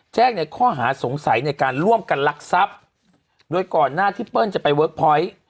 ในข้อหาสงสัยในการร่วมกันลักทรัพย์โดยก่อนหน้าที่เปิ้ลจะไปเวิร์คพอยต์